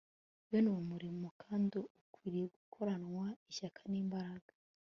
bene uwo murimo kandi ukwiriye gukoranwa ishyaka n'imbaraga